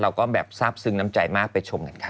เราก็แบบทราบซึ้งน้ำใจมากไปชมกันค่ะ